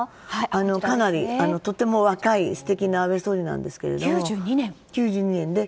かなりとても若い素敵な安倍総理なんですけど９２年で。